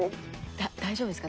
大丈夫ですか？